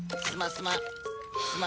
スマスマ。